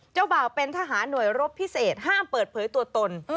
เจ้าบ่าวเป็นทหารหน่วยรบพิเศษห้ามเปิดเผยตัวตน